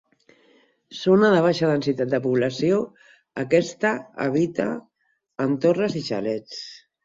Zona de baixa densitat de població, aquesta habita en torres i xalets.